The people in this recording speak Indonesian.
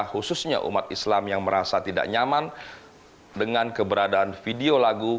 khususnya umat islam yang merasa tidak nyaman dengan keberadaan video lagu